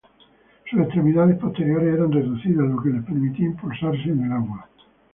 Sus extremidades posteriores eran reducidas, lo que le permitía impulsarse en el agua.